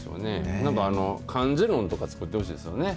なんか漢字のとか、作ってほしいですよね。